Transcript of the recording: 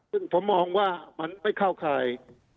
ซึ่งผมมองว่ามันไม่เข้าข่าย